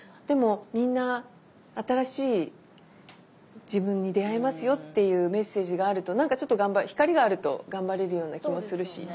でもみんな新しい自分に出会えますよっていうメッセージがあると何かちょっと光があると頑張れるような気もするし。